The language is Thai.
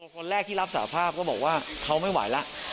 คนแรกที่รับสาภาพก็บอกว่าเขาไม่ไหวแล้ว